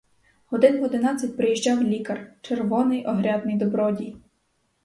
Годин в одинадцять приїжджав лікар, червоний огрядний добродій.